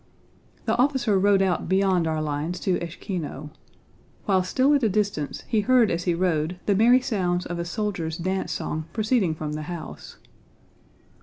The officer rode out beyond our lines to Échkino. While still at a distance he heard as he rode the merry sounds of a soldier's dance song proceeding from the house.